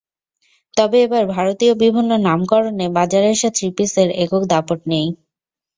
তবে এবার ভারতীয় বিভিন্ন নামকরণে বাজারে আসা থ্রি-পিসের একক দাপট নেই।